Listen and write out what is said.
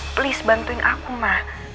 please bantuin aku ma